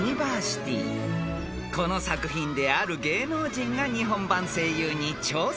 ［この作品である芸能人が日本版声優に挑戦していたんです］